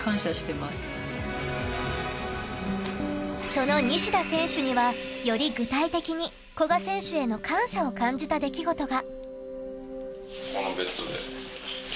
その西田選手にはより具体的に古賀選手への感謝を感じた出来事が。